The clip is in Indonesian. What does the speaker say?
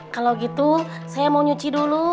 kalau gitu saya mau nyuci dulu